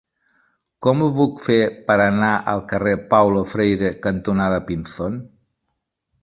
Com ho puc fer per anar al carrer Paulo Freire cantonada Pinzón?